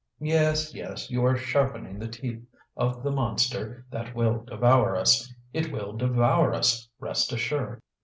Yes, yes, you are sharpening the teeth of the monster that will devour us. It will devour us, rest assured!"